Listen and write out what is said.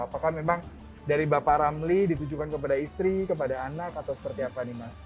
apakah memang dari bapak ramli ditujukan kepada istri kepada anak atau seperti apa nih mas